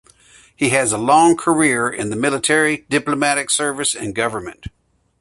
He has had a long career in the Military, diplomatic service, and government.